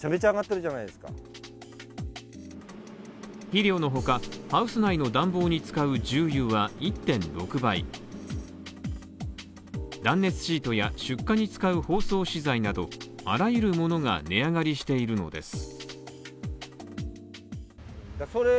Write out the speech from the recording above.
肥料の他、ハウス内の暖房に使う重油は１．６倍断熱シートや出荷に使う包装資材などあらゆるものが値上がりしているのです。